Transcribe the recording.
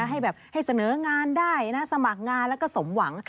ให้แบบให้เสนองานได้นะสมัครงานแล้วก็สมหวัง